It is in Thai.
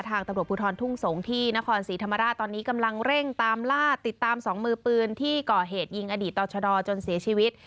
ทางตำรวจภูทรทุ่งสงศ์ที่นครศรีธรรมราชตอนนี้กำลังเร่งตามล่าติดตามสองมือปืนที่ก่อเหตุยิงอดีตต่อชะดอจนเสียชีวิต